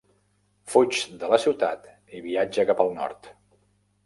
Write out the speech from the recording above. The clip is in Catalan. Fuig de la ciutat i viatja cap al nord.